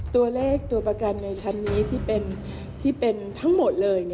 ตัวเลขตัวประกันในชั้นนี้ที่เป็นทั้งหมดเลย